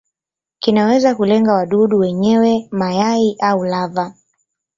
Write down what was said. Kinaweza kulenga wadudu wenyewe, mayai au lava.